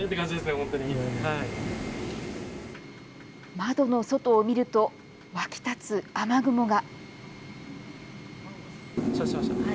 窓の外を見ると、湧き立つ雨雲が。